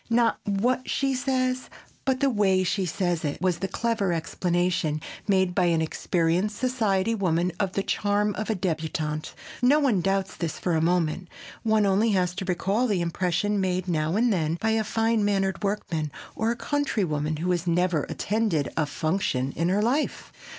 "Not what she says but the way she says it" was the clever explanation made by an experienced society woman of the charm of a débutante. If one doubts this for a moment, one has only to recall the impression made now and then by a fine mannered workman or a country woman who has never attended a "function" in her life.